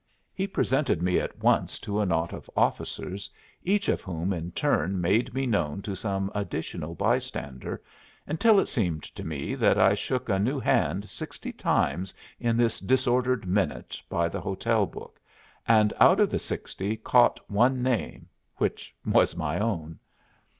He presented me at once to a knot of officers, each of whom in turn made me known to some additional by stander, until it seemed to me that I shook a new hand sixty times in this disordered minute by the hotel book, and out of the sixty caught one name, which was my own.